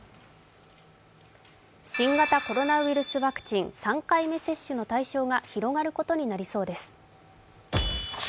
新型コロナワクチン、３回目接種の対象が広がることになりそうです。